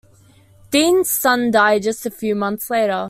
Deans' son died just a few months later.